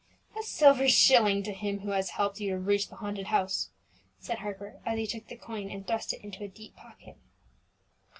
"A silver shilling to him who has helped you to reach the haunted house," said Harper, as he took the coin and thrust it into a deep pocket.